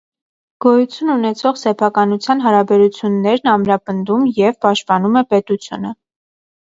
Գոյություն ունեցող սեփականության հարաբերություններն ամրապնդում և պաշտպանում է պետությունը։